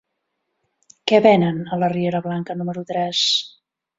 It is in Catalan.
Què venen a la riera Blanca número tres?